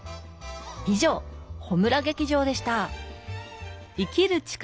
以上ホムラ劇場でした！